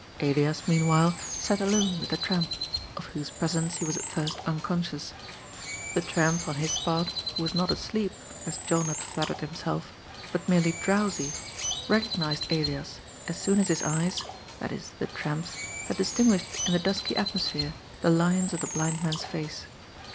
Elias, meanwhile, sat alone with the tramp, of whose presence he was at first unconscious. The tramp, on his part, who was not asleep, as John had flattered himself, but merely drowsy, recognised Elias, as soon as his eyes — i. e. the tramp's — had distinguished in the dusky atmosphere the lines of the blind man's face.